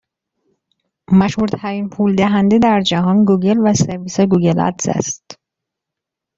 مشهورترین پول دهنده در جهان گوگل و سرویس گوگل ادز است.